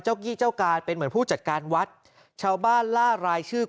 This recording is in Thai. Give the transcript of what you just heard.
ยี่เจ้าการเป็นเหมือนผู้จัดการวัดชาวบ้านล่ารายชื่อ